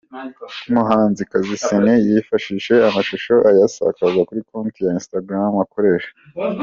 Umuhanzikazi Ciney yifashe amashusho ayasakaza kuri konti ya instagram akoresha